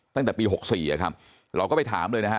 ตั้งแต่ปี๖๔ครับเราก็ไปถามเลยนะฮะ